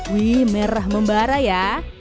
wih merah membara ya